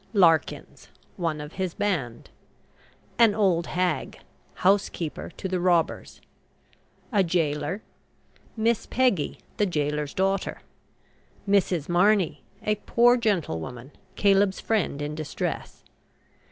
LARKINS, one of his band. AN OLD HAG, housekeeper to the robbers. A GAOLER. MISS PEGGY, the gaoler's daughter. MRS. MARNEY, a poor gentlewoman, Caleb's friend in distress.